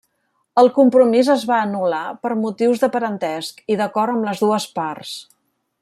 El compromís es va anul·lar per motius de parentesc, i d'acord amb les dues parts.